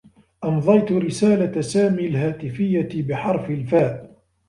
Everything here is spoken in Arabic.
أمضيت رسالة سامي الهاتفيّة بحرف الفاء.